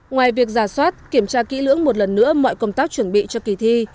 ngoài việc giả soát kiểm tra kỹ lưỡng một lần nữa mọi công tác chuẩn bị cho kỳ thi